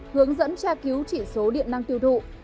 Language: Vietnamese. hướng dẫn tra cứu chỉ số điện năng tiêu thụ